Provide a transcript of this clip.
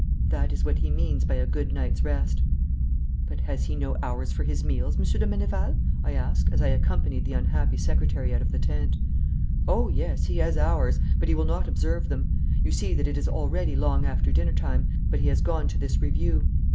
That is what he means by a good night's rest.' 'But has he no hours for his meals, Monsieur de Meneval?' I asked, as I accompanied the unhappy secretary out of the tent. 'Oh, yes, he has hours, but he will not observe them. You see that it is already long after dinner time, but he has gone to this review.